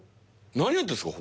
何やってんすか？